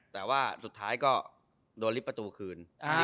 แต่ว่าสุดท้ายก็โดนลิฟต์ประตูคืน